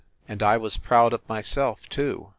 And I was proud of myself, too.